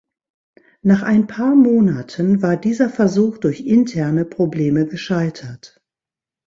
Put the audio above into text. Nach ein paar Monaten war dieser Versuch durch interne Probleme gescheitert.